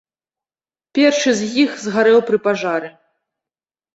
Першы з іх згарэў пры пажары.